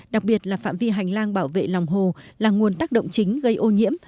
đặc biệt là phạm vi hành lang bảo vệ lòng hồ là nguồn tác động chính gây ô nhiễm